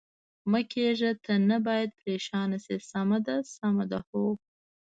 مه کېږه، ته نه باید پرېشانه شې، سمه ده، سمه ده؟ هو.